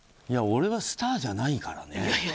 俺はスターじゃないからね。